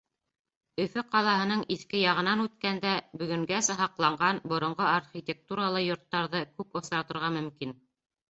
Өфө ҡалаһының иҫке яғынан үткәндә бөгөнгәсә һаҡланған боронғо архитектуралы йорттарҙы күп осратырға мөмкин.